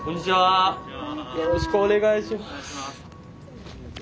よろしくお願いします。